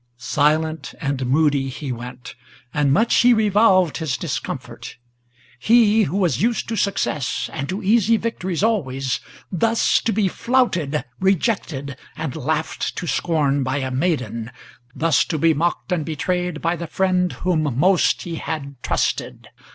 Silent and moody he went, and much he revolved his discomfort; He who was used to success, and to easy victories always, Thus to be flouted, rejected, and laughed to scorn by a maiden, Thus to be mocked and betrayed by the friend whom most he had trusted!